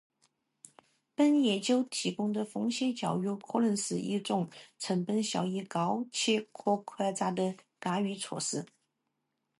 本研究提供的风险教育可能是一种成本效益高且可扩展的干预措施